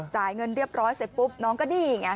จ่ายเงินเรียบร้อยเสร็จปุ๊บน้องก็นี่ไง